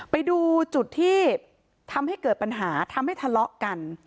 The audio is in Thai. ไปดูจุดที่ทำให้เกิดปัญหาทำให้ทะเลาะกัน